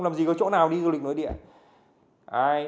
làm gì có chỗ nào đi du lịch nội địa